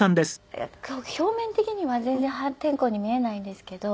表面的には全然破天荒に見えないんですけど。